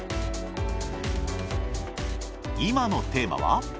今のテーマは。